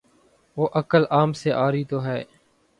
وہ عقل عام سے عاری تو ہے۔